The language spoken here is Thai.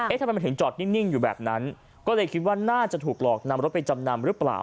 ทำไมมันถึงจอดนิ่งอยู่แบบนั้นก็เลยคิดว่าน่าจะถูกหลอกนำรถไปจำนำหรือเปล่า